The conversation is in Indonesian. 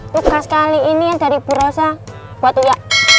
tukar sekali ini yang dari ibu rosa buat uya